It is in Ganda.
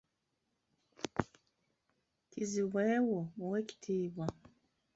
Kizibwe wo muwe ekitiibwa